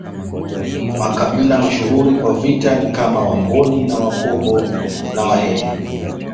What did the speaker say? Makabila mashuhuri kwa vita kama Wangoni na Wagogo pia Wahehe